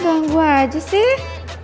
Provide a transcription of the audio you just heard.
ganggu aja sih